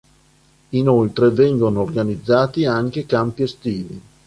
Inoltre vengono organizzati anche campi estivi.